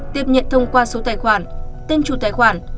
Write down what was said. tiếp nhận thông qua số tài khoản tên chủ tài khoản